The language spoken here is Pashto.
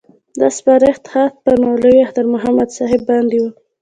دا سپارښت خط پر مولوي اختر محمد صاحب باندې وو.